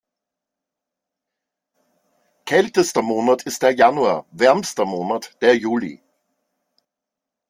Kältester Monat ist der Januar, wärmster Monat der Juli.